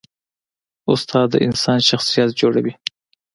استاد د انسان شخصیت جوړوي.